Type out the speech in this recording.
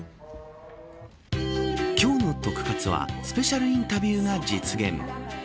今日のトク活はスペシャルインタビューが実現。